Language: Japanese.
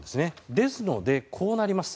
ですので、こうなります。